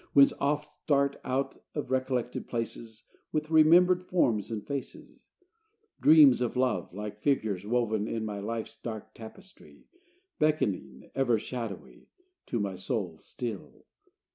whence oft start Out of recollected places, With remembered forms and faces, Dreams of love, like figures, woven In my life's dark tapestry, Beckoning, ever shadowy, To my soul still.